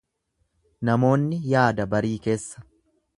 Namoonni yaada barii keessa.